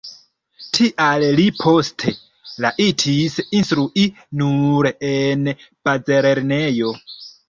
Tial li poste rajtis instrui nur en bazlernejo.